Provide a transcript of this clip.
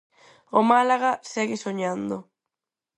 O Málaga segue soñando.